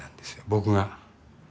僕が。